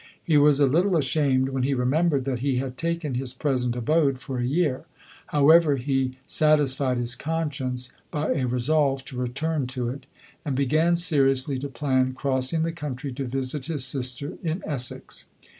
He was a little ashamed when he remembered that he had taken his present abode for a year : however, he satisfied his conscience by a resolve to return to it ; and began seriously to plan crossing the country, to visit his sister in Essex.